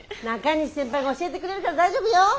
中西先輩が教えてくれるから大丈夫よ！